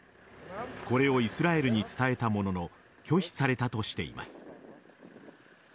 これをイスラエルに伝えたものの拒否されたとしています。